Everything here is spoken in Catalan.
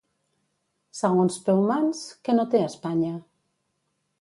Segons Peumans, què no té Espanya?